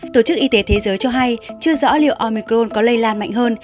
tổ chức y tế thế giới cho hay chưa rõ liệu omicron có lây lan mạnh hơn